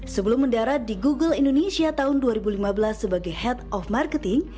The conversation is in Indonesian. sebelum mendarat di google indonesia tahun dua ribu lima belas sebagai head of marketing